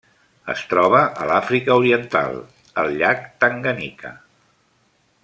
Es troba a l'Àfrica Oriental: el llac Tanganyika.